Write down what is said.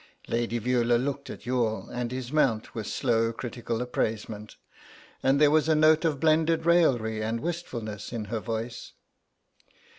Lady Veula looked at Youghal and his mount with slow critical appraisement, and there was a note of blended raillery and wistfulness in her voice.